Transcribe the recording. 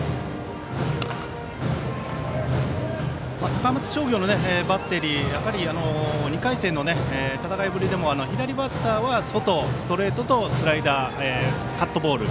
高松商業のバッテリー２回戦の戦いぶりでも左バッターは外、ストレートとスライダー、カットボール